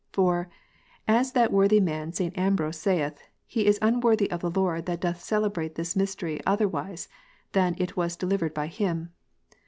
For, as that worthy man St. Ambrose saith, he is unworthy of the Lord that doth celebrate this mystery other wise than it was delivered by Him.